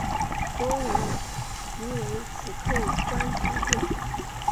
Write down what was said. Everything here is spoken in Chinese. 国王黎维祁叩关求救。